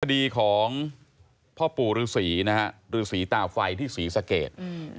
คดีของพ่อปู่ฤษีนะฮะฤษีตาไฟที่ศรีสะเกด